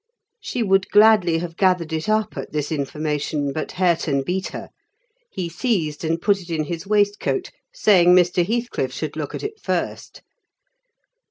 She would gladly have gathered it up at this information, but Hareton beat her; he seized and put it in his waistcoat, saying Mr. Heathcliff should look at it first.